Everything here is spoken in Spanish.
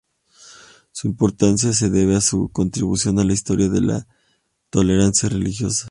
Su importancia se debe a su contribución a la historia de la tolerancia religiosa.